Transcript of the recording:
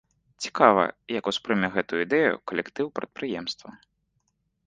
Цікава, як успрыме гэтую ідэю калектыў прадпрыемства?